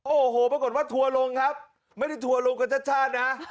โอ้โหปรากฏว่าทัวร์ลงครับไม่ได้ทัวร์ลงกับชาติชาตินะ